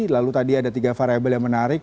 lalu tadi ada tiga variable yang menarik